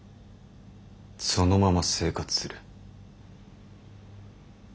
そのまま生活する。